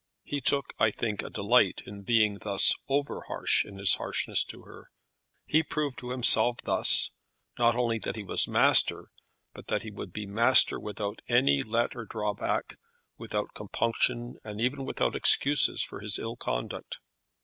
He took, I think, a delight in being thus over harsh in his harshness to her. He proved to himself thus not only that he was master, but that he would be master without any let or drawback, without compunctions, and even without excuses for his ill conduct.